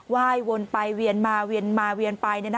ว่ายวนไปเวียนมาเวียนมาเวียนไป